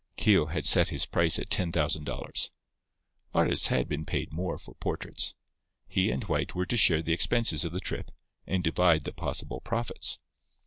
Keogh had set his price at ten thousand dollars. Artists had been paid more for portraits. He and White were to share the expenses of the trip, and divide the possible profits.